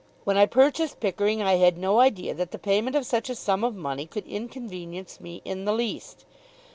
When I purchased Pickering I had no idea that the payment of such a sum of money could inconvenience me in the least.